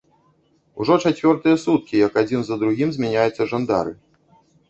Ужо чацвёртыя суткі, як адзін за другім змяняюцца жандары.